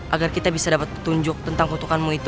agar kita bisa dapat petunjuk tentang kutukanmu itu